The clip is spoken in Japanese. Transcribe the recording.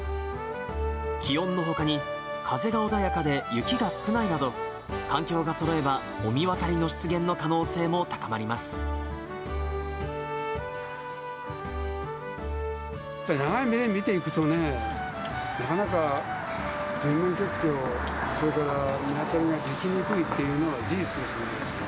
気温のほかに、風が穏やかで雪が少ないなど、環境がそろえば、御神渡りの出現の可能性も高まり長い目で見ていくとね、なかなか全面結氷、それから御神渡りが出来にくいというのは事実ですよね。